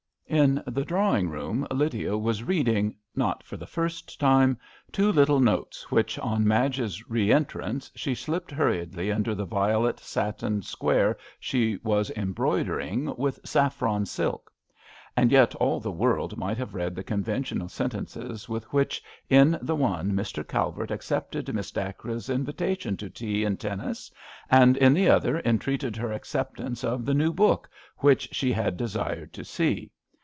In the drawing room Lydia was reading, not for the first time, two little notes, which on Madge's re entrance she slipped hurriedly under the violet satin square she was embroidering with saffron silk. And yet all the world might have read the conventional sentences with which, in the one, Mr. Calvert accepted Miss Dacre's invitation to tea and tennis, and in the other entreated her acceptance of the new book which she had desired to see.